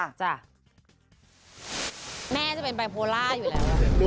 แม่จะเป็นบายโพล่าอยู่แล้ว